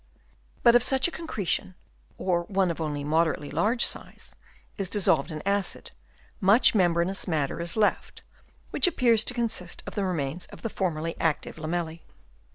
But if such a con cretion, or one of only moderately large size, is dissolved in acid, much membranous matter is left, which appears to consist of the remains of the formerly active lamella?.